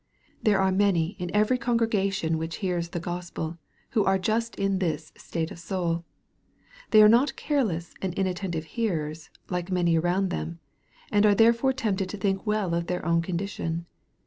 There are many in every congregation which hears the Gospel, who are just in this state of soul. They are not careless and inattentive hearers, like many around them, and are therefore tempted to think well of their own con dition.